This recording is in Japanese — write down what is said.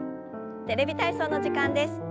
「テレビ体操」の時間です。